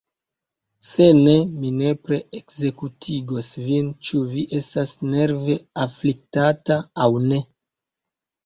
Se ne, mi nepre ekzekutigos vin, ĉu vi estas nerve afliktata, aŭ ne.